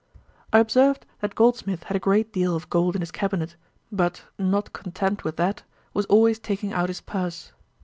I observed, that Goldsmith had a great deal of gold in his cabinet, but, not content with that, was always taking out his purse.